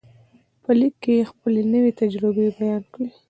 په لیک کې یې خپلې نوې تجربې بیان کړې